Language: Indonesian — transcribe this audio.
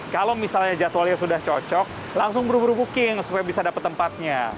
kalau misalnya jadwalnya sudah cocok langsung buru buru booking supaya bisa dapat tempatnya